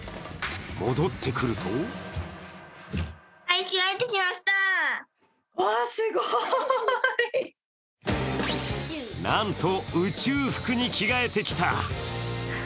戻ってくるとなんと宇宙服に着替えてきた。